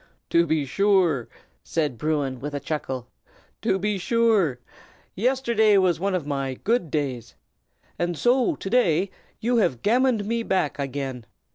"To be sure!" said Bruin, with a chuckle. "To be sure! yesterday was one of my good days. And so to day you have gammoned me back again.